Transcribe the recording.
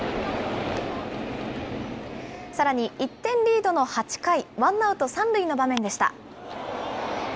さらに１点リードの８回、ワンアウト３塁の場面でした。